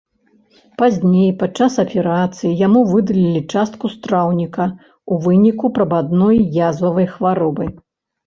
Пазней падчас аперацыі яму выдалілі частку страўніка ў выніку прабадной язвавай хваробы.